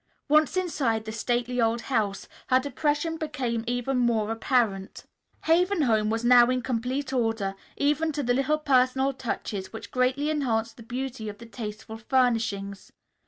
Once inside the stately old house, her depression became even more apparent. Haven Home was now in complete order, even to the little personal touches which greatly enhanced the beauty of the tasteful furnishings.